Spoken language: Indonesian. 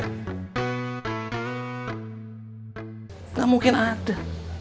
tidak mungkin ada